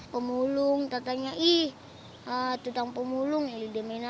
pemulung tatanya ih tetang pemulung ini dia main aja